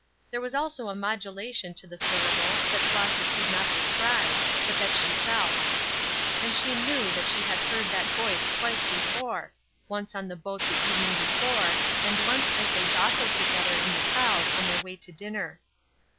There was also a modulation to the syllables that Flossy could not describe, but that she felt And she knew that she had heard that voice twice before, once on the boat the evening before and once as they jostled together in the crowd on their way to dinner.